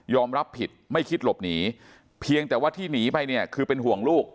รับผิดไม่คิดหลบหนีเพียงแต่ว่าที่หนีไปเนี่ยคือเป็นห่วงลูก